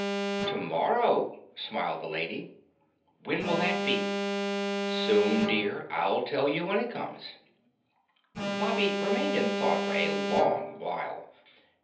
"Tomorrow," smiled the lady. "When will that be?" "Soon, dear. I'll tell you when it comes." Bobby remained in thought for a long while.